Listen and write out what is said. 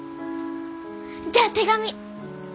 じゃあ手紙！